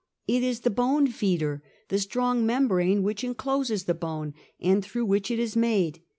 "" It is the bone feeder; the strong membrane which incloses the bone, and through which it is made.